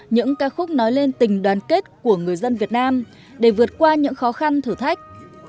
những ca khúc nói lên tình đoàn kết của người dân việt nam để vượt qua những khó khăn thử thách